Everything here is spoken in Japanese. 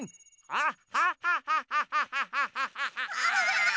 あっ！